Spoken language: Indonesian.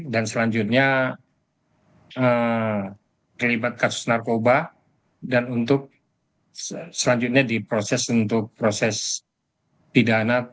dan selanjutnya terlibat kasus narkoba dan untuk selanjutnya diproses untuk proses pidana